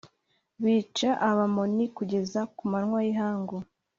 bica Abamoni kugeza ku manywa y ihangu